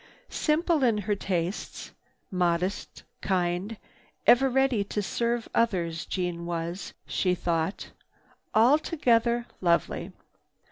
Simple in her tastes, modest, kindly, ever ready to serve others, Jeanne was, she thought, altogether lovely.